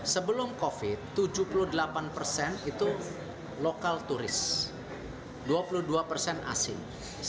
sebelum covid tujuh puluh delapan persen itu lokal turis dua puluh dua persen asing